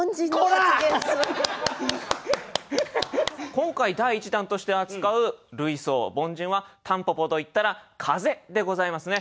今回第１弾として扱う類想凡人は蒲公英といったら「風」でございますね。